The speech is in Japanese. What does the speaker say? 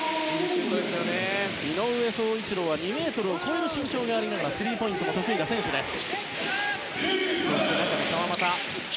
井上宗一郎は２ｍを超える身長がありながらスリーポイントも得意な選手です。